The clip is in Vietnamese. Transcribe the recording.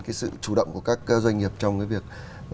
cái sự chủ động của các doanh nghiệp trong cái việc